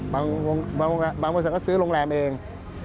บางบริษัทก็ซื้อโรงแรมเอง